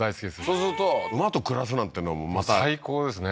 そうすると馬と暮らすなんていうのもまた最高ですね